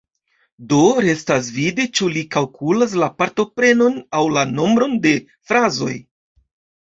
Do restas vidi, ĉu li kalkulas la partoprenon aŭ la nombron de frazoj.